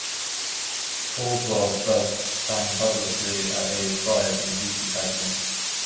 Caldwell first sang publicly at age five in beauty pageants.